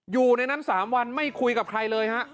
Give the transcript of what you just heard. อยู่ในนั้น๓วันไม่คุยกับใครเลยฮะ